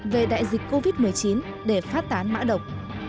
về đại dịch covid một mươi chín để phát tán mã độc